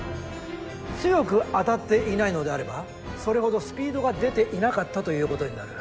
強く当たっていないのであればそれほどスピードが出ていなかったということになる。